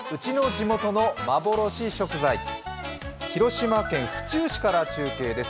広島県府中市から中継です。